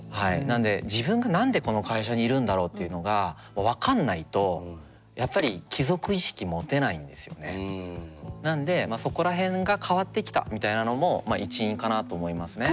なので「自分が何でこの会社にいるんだろう？」っていうのが分かんないとやっぱりなんでそこら辺が変わってきたみたいなのも一因かなと思いますね。